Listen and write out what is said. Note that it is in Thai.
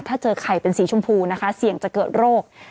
ถ้าเจอไข่เป็นสีชมพูนะคะเสี่ยงจะเกิดโรค